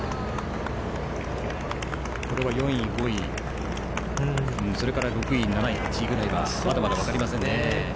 これは４位、５位それから６位、７位、８位ぐらいはまだまだ分かりませんね。